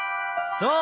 そう！